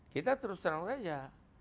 kita terus terang terang aja